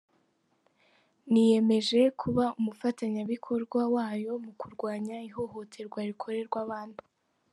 Niyemeje kuba umufatanyabikorwa wayo mu kurwanya ihohoterwa rikorerwa abana."